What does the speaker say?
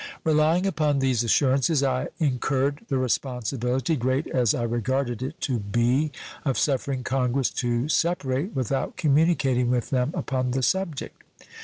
Relying upon these assurances, I incurred the responsibility, great as I regarded it to be, of suffering Congress to separate without communicating with them upon the subject.